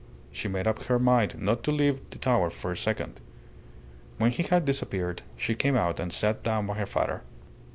She made up her mind not to leave the tower for a second. When he had disappeared she came out and sat down by her father.